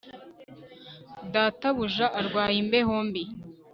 Databuja arwaye imbeho mbi